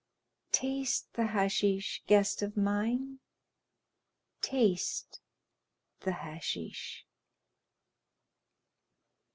Taste the hashish, guest of mine—taste the hashish."